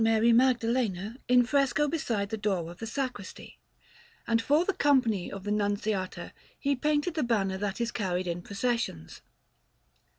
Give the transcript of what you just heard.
Mary Magdalene in fresco beside the door of the sacristy; and for the Company of the Nunziata he painted the banner that is carried in processions.